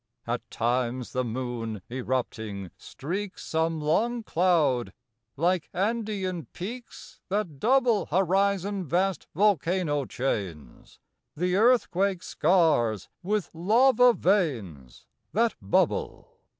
At times the moon, erupting, streaks Some long cloud; like Andean peaks That double Horizon vast volcano chains, The earthquake scars with lava veins That bubble.